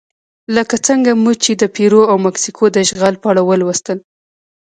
لکه څنګه مو چې د پیرو او مکسیکو د اشغال په اړه ولوستل.